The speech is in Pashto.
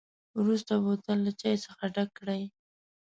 وروسته بوتل له چای څخه ډک کړئ.